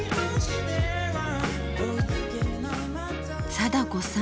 貞子さん